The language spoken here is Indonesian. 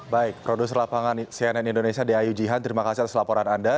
baik produser lapangan cnn indonesia daya ujian terima kasih atas lapangan ini